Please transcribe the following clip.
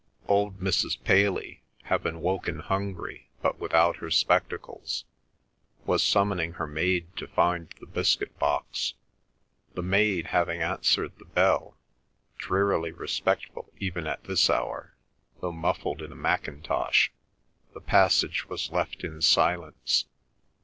Old Mrs. Paley, having woken hungry but without her spectacles, was summoning her maid to find the biscuit box. The maid having answered the bell, drearily respectful even at this hour though muffled in a mackintosh, the passage was left in silence.